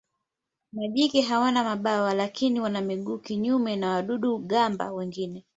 Majike hawana mabawa lakini wana miguu kinyume na wadudu-gamba wengine.